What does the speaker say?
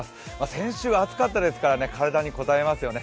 先週、暑かったですから体にこたえますよね。